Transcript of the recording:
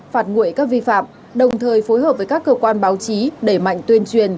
phạt nguội các vi phạm đồng thời phối hợp với các cơ quan báo chí đẩy mạnh tuyên truyền